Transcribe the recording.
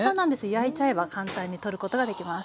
焼いちゃえば簡単に取ることができます。